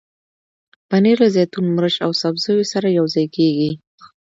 پنېر له زیتون، مرچ او سبزیو سره یوځای کېږي.